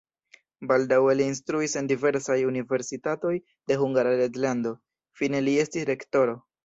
Baldaŭe li instruis en diversaj universitatoj de Hungara reĝlando, fine li estis rektoro.